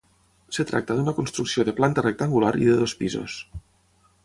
Es tracta d'una construcció de planta rectangular i de dos pisos.